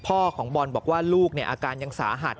พ่อของบอลบอกว่าลูกเนี่ยอาการยังสาหัส